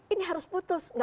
ini harus putus tidak boleh